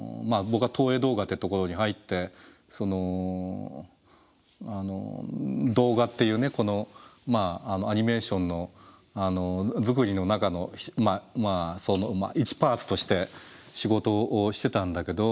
僕は東映動画ってところに入って動画っていうこのアニメーション作りの中の一パーツとして仕事をしてたんだけど。